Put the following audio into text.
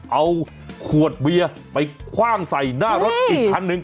เอาขวดเวียนไปขวางใส่หน้ารถอีกคันครับ